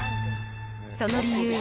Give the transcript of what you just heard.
その理由は、